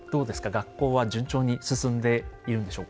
学校は順調に進んでいるんでしょうか？